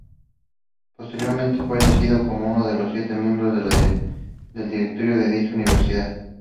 Posteriormente, fue elegido como uno de los siete miembros del directorio de dicha universidad.